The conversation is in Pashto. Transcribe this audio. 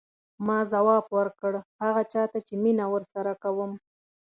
ما ځواب ورکړ هغه چا ته چې مینه ورسره کوم.